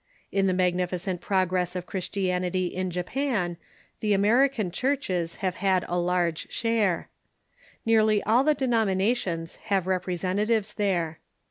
In the magnificent progress of Christianity in Japan the American cliurches have had a large share. Nearly all the denomina tions have representatives there.